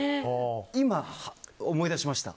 今思い出しました。